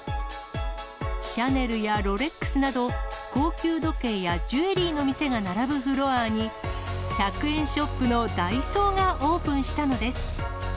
シャネルやロレックスなど高級時計やジュエリーの店が並ぶフロアに、１００円ショップのダイソーがオープンしたのです。